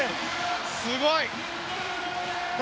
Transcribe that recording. すごい。